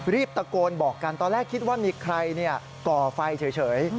ตะโกนบอกกันตอนแรกคิดว่ามีใครก่อไฟเฉย